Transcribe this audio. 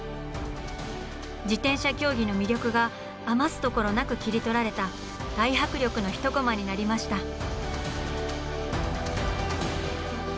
自転車競技の魅力が余すところなく切り取られた大迫力の１コマになりました。